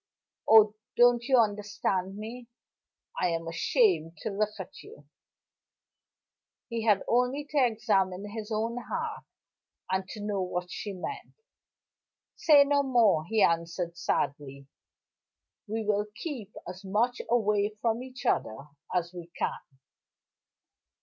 Oh, don't you understand me? I am ashamed to look at you!" He had only to examine his own heart, and to know what she meant. "Say no more," he answered sadly. "We will keep as much away from each other as we can."